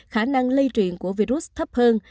khả năng lây truyền của virus thấp hơn